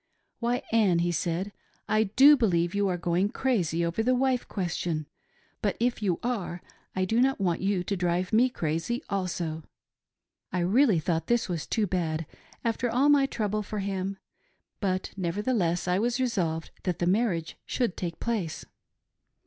' Why, Ann,' he said, ' I do believe you are going crazy over the wife question ; but if you are I do not want you to drive me crazy also. I rea:lly thought this was too bad, after all my trouble for him ; but nev ertheless I was resolved that the marriage should take place.